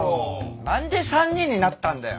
何で３人になったんだよ。